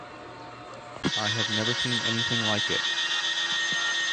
I have never seen anything like it.